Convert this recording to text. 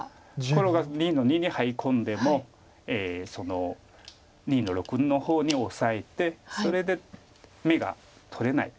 黒が２の二にハイ込んでも２の六の方にオサえてそれで眼が取れない形です。